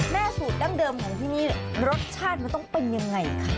สูตรดั้งเดิมของที่นี่รสชาติมันต้องเป็นยังไงคะ